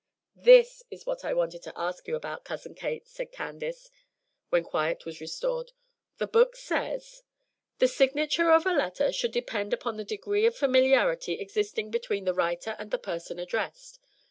"This is what I wanted to ask you about, Cousin Kate," said Candace, when quiet was restored. "The book says: "'The signature of a letter should depend upon the degree of familiarity existing between the writer and the person addressed.